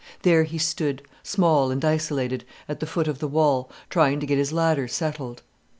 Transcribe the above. There he stood, small and isolated, at the foot of the wall, trying to get his ladder settled.